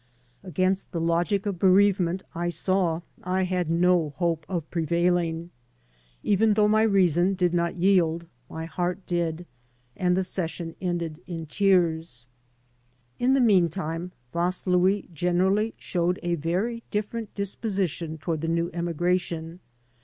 Against the logic of bereavement, I saw, I had no hope of prevailing. Even though my reason did not yield, my heart did, and the session ended in tears. In the mean time Vaslui generally showed a very different disposition toward the new emigration.